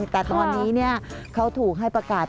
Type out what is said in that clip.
แต่ตอนนี้เขาถูกให้ประกาศ